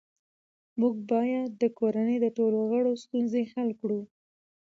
موږ باید د کورنۍ د ټولو غړو ستونزې حل کړو